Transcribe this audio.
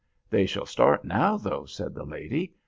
"They will start now, though," said the lady.